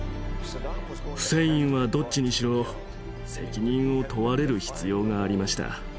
フセインはどっちにしろ責任を問われる必要がありました。